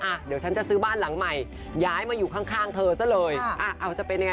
อ่ะเดี๋ยวฉันจะซื้อบ้านหลังใหม่ย้ายมาอยู่ข้างข้างเธอซะเลยอ่ะเอาจะเป็นยังไง